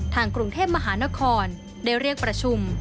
ทางกรุงเทพมหานครได้เรียกประชุม